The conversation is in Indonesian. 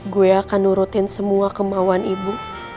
gue akan nurutin semua kemauan ibu